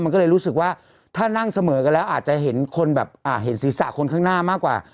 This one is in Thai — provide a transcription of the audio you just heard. มันก็เลยรู้สึกว่าถ้านั่งเสมอกันแล้วอาจจะเห็นคนแบบเห็นศีรษะคนข้างหน้ามากกว่า